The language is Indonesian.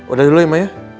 udah dulu ya mbak ya